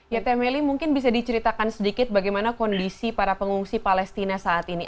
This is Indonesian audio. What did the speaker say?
ya teh meli mungkin bisa diceritakan sedikit bagaimana kondisi para pengungsi palestina saat ini